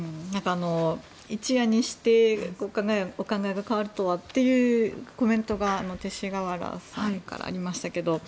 一夜にしてお考えが変わるとはというコメントが、勅使河原さんからありましたけど。